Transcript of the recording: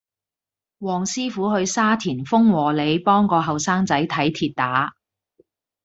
黃師傅去沙田豐禾里幫個後生仔睇跌打